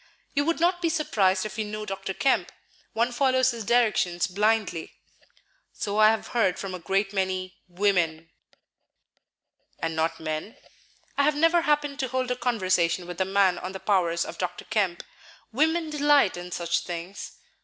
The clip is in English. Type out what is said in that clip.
"You would not be surprised if you knew Dr. Kemp; one follows his directions blindly." "So I have heard from a great many women." "And not men?" "I have never happened to hold a conversation with a man on the powers of Dr. Kemp. Women delight in such things."